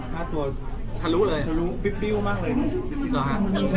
ค่าตัวทะลุปิ๊วมากเลย